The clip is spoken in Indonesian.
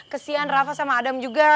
kesian rafa sama adam juga